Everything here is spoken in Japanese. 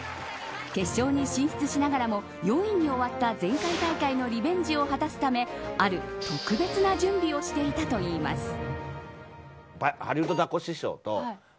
決勝に進出しながらも４位に終わった前回大会のリベンジを果たすためある特別な準備をしていたといいます。